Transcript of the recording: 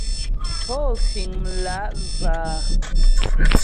Pó fíŋ mlǎ'və a ?